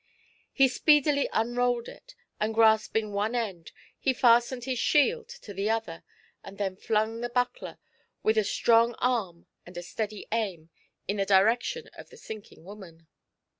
He speedily unrolled it, and grasping one ^nd, he fastened his shield to the other, and then flung the buckler, with a strong arm and a steady aim, in the direction of the sinking woman.